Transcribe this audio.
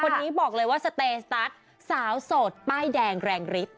คนนี้บอกเลยว่าสเตสตัสสาวโสดป้ายแดงแรงฤทธิ